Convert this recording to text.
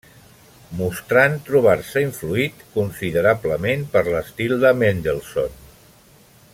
Mostrant trobar-se influït considerablement per l'estil de Mendelssohn.